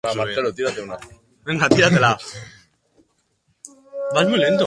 Juanes abeslariaren emaztea izateagatik da ezaguna.